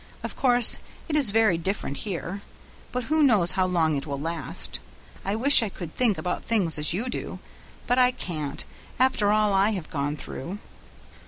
Of course it is very different here, but who knows how long it will last? I wish I could think about things as you do; but I can't, after all I have gone through."